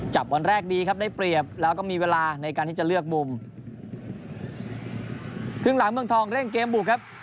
วันแรกดีครับได้เปรียบแล้วก็มีเวลาในการที่จะเลือกมุมครึ่งหลังเมืองทองเร่งเกมบุกครับ